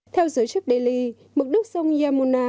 theo giới chức delhi mực đức sông yamuna